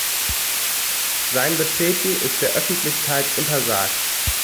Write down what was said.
Sein Betreten ist der Öffentlichkeit untersagt.